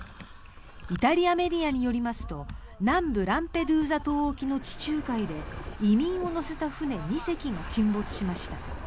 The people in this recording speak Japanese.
イタリアメディアによりますと南部ランペドゥーザ島沖の地中海で移民を乗せた船２隻が沈没しました。